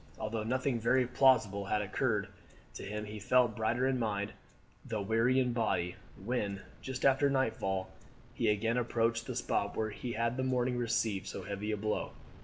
Although nothing very plausible had occurred to him he felt brighter in mind, though weary in body, when, just after nightfall, he again approached the spot where he had that morning received so heavy a blow.